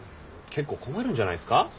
結構困るんじゃないですか？